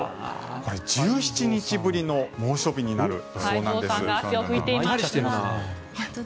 これは１７日ぶりの猛暑日になる予想なんです。